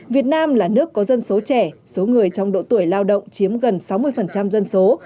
việt nam là nước có dân số trẻ số người trong độ tuổi lao động chiếm gần sáu mươi dân số